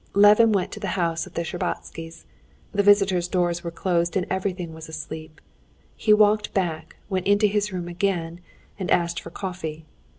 Levin went to the house of the Shtcherbatskys. The visitors' doors were closed and everything was asleep. He walked back, went into his room again, and asked for coffee.